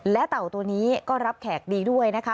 และเต่าตัวนี้ก็รับแขกดีด้วยนะคะ